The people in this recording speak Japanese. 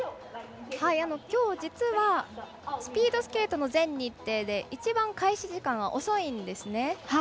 きょう、実はスピードスケートの全日程で一番、開始時間が遅いんですね。